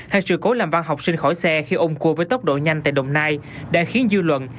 hay sự cố làm văn học sinh khỏi xe khi ôm cua với tốc độ nhanh tại đồng nai đã khiến dư luận